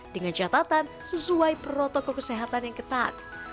dengan catatan sesuai protokol kesehatan yang ketat